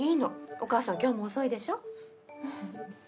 お母さん今日も遅いでしょ？